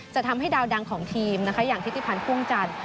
จะทำให้ดาวดังของทีมนะคะอย่างทิติพันธ์พ่วงจันทร์